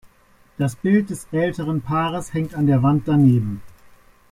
Das Bild des älteren Paares hängt an der Wand daneben.